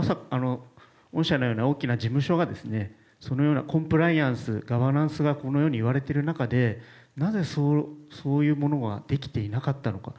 御社のような大きな事務所がそのようなコンプライアンスガバナンスがこのように言われている中でなぜ、そういうものができていなかったのか。